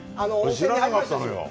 知らなかったのよ。